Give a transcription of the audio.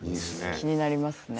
気になりますね。